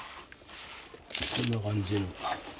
こんな感じ。